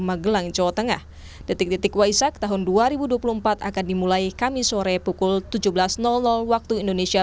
magelang jawa tengah ada jurnalis kompas tv triksi valencia selamat petang triksi apa saja